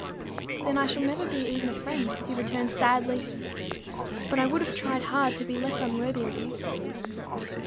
"Then I shall never be even a friend," he returned sadly. "But I would have tried hard to be less unworthy of you."